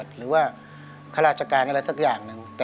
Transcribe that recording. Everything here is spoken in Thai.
อเจมส์ความหวังข้างหน้าคือบางความว่า